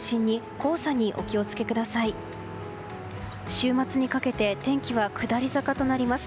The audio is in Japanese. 週末にかけて天気は下り坂となります。